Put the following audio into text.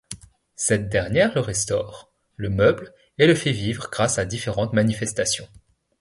Cette dernière le restaure, le meuble et le fait vivre grâce à différentes manifestations.